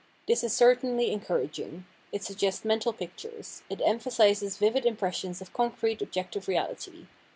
This is certainly encouraging. It suggests mental pictures. It emphasizes vivid impressions of concrete, objective reality.